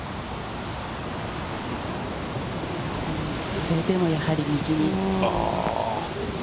それでもやはり右に。